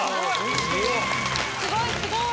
すごいすごい！